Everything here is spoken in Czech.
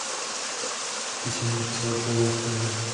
Píseň napsal Paul Stanley.